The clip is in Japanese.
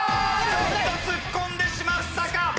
ちょっと突っ込んでしまったか！